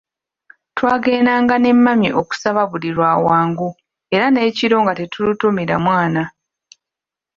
Twagendanga ne mami okusaba buli lwa Wangu era n'ekiro nga tetulutumira mwana.